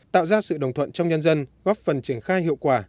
tạo ra sự đồng thuận trong nhân dân góp phần triển khai hiệu quả